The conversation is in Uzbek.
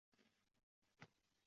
Tong bor unga zid